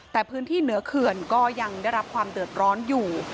แต่พื้นที่เหนือเขื่อนก็ยังได้รับความเดือดร้อนอยู่